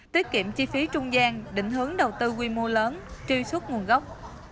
tiết kiệm chi phí trung gian định hướng đầu tư quy mô lớn truy xuất nguồn gốc